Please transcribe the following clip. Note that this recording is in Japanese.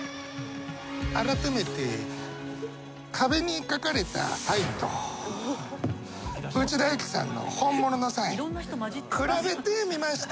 あらためて壁に書かれたサインと内田有紀さんの本物のサイン比べてみました。